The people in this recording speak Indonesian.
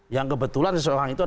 yang kebetulan seseorang itu